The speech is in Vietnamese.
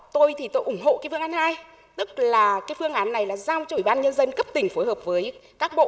tôi thì tôi ủng hộ cái phương án hai tức là cái phương án này là giao cho ủy ban nhân dân cấp tỉnh phối hợp với các bộ